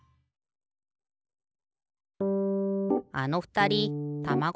あのふたりたまご